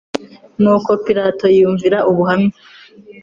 Nuko Pilato yiyumvira ubuhamya